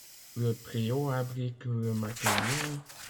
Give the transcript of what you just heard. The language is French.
le préau abrite le matériel